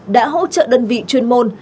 đã hỗ trợ đơn vị chuyên môn